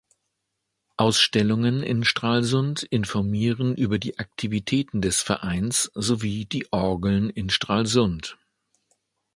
Ausstellungen in Stralsund informieren über die Aktivitäten des Vereins sowie die Orgeln in Stralsund.